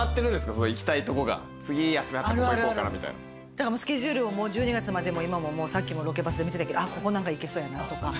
だからスケジュールを１２月までさっきもロケバスで見ててんけどあっここなんかいけそうやなとか。